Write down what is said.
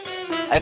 tidak ada apa apa